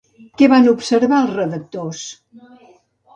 Què van observar els redactors?